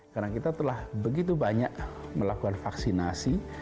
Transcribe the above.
karena kita telah begitu banyak melakukan vaksinasi